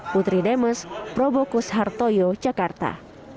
putri demes probokus hartoyo jakarta